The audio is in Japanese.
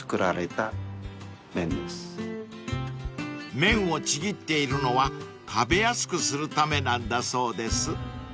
［麺をちぎっているのは食べやすくするためなんだそうです］